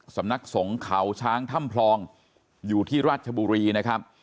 สำนักสงฆ์เขาช้างถ้ำพลองอยู่ที่ราชบุรีนะครับ